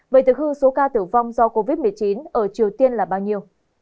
vậy thực hư số ca tử vong do covid một mươi chín ở triều tiên là bao nhiêu